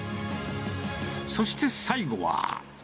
そして最後は。